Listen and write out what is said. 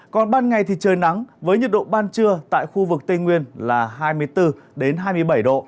còn ban ngày thì trời nắng với nhiệt độ ban trưa tại khu vực tây nguyên là hai mươi bốn hai mươi bảy độ